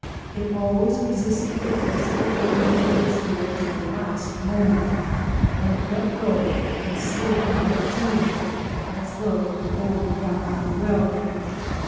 It always resisted the forcible opening of its door to the last moment, when it let go and slid into the tube "as though going down a well."